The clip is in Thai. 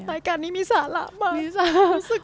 รายการนี้มีสาระมาก